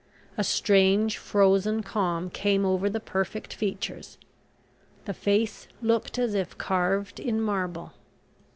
A strange frozen calm came over the perfect features. The face looked as if carved in marble.